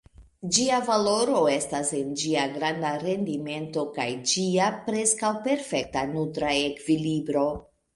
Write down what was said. Ĝia valoro estas en ĝia granda rendimento kaj ĝia preskaŭ perfekta nutra ekvilibro.